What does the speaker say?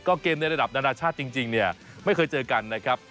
ก็เกมในระดับนานาชาติจริงเนี่ยไม่เคยเจอกันนะครับ